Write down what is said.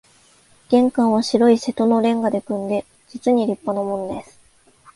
玄関は白い瀬戸の煉瓦で組んで、実に立派なもんです